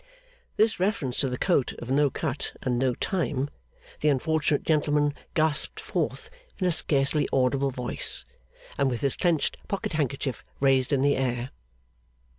This reference to the coat of no cut and no time, the unfortunate gentleman gasped forth, in a scarcely audible voice, and with his clenched pocket handkerchief raised in the air.